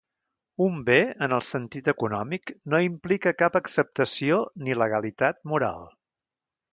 Un bé en el sentit econòmic no implica cap acceptació ni legalitat moral.